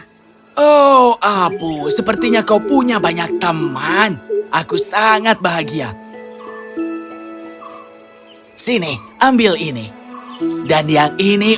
oh apu sepertinya kau punya banyak teman aku sangat bahagia sini ambil ini dan yang ini